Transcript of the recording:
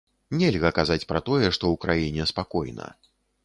Нельга казаць пра тое, што ў краіне спакойна.